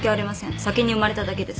先に生まれただけです。